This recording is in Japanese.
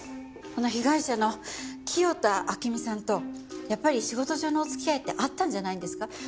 この被害者の清田暁美さんとやっぱり仕事上のお付き合いってあったんじゃないんですか？